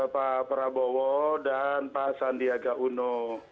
pak prabowo dan distrik presiden jadi petugas kita berdua